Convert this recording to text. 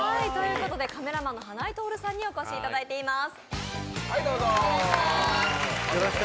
カメラマンの花井透さんにお越しいただいています。